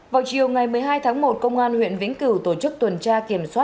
vào chiều ngày một mươi hai tháng một công an huyện vĩnh cửu tổ chức tuần tra kiểm soát